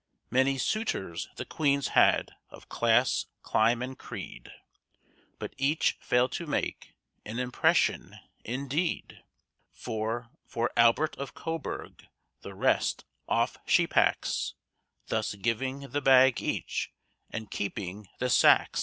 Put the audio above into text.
Many suitors the Queen's had of class, clime, and creed, But each failed to make an impression, indeed; For, for Albert of Coburg the rest off she packs Thus "giving the bag each" and keeping the "SAXE!"